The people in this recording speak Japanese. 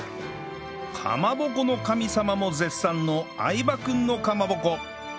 かまぼこの神様も絶賛の相葉君のかまぼこ